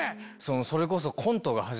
それこそ。